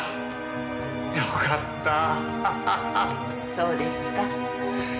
そうですか。